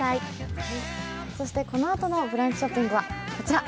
このあとの「ブランチショッピング」はこちら。